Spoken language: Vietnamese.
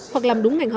hoặc làm đúng ngành